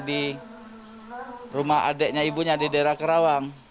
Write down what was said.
di rumah adiknya ibunya di daerah kerawang